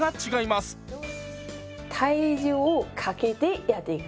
体重をかけてやっていく。